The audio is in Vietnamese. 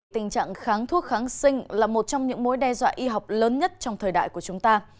tình trạng kháng thuốc kháng sinh là một trong những mối đe dọa y học lớn nhất trong thời đại của chúng ta